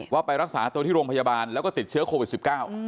ไปรักษาตัวที่โรงพยาบาลแล้วก็ติดเชื้อโควิดสิบเก้า